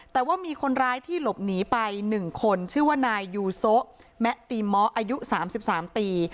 แต่ว่ามีคนร้ายที่หลบหนีไป๑คนชื่อว่านายยูโซะแมะตีม้ออายุ๓๓ปี